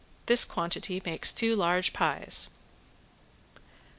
This quantity makes two large pies.